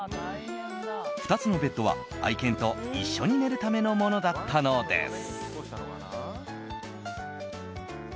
２つのベッドは、愛犬と一緒に寝るためのものだったのです。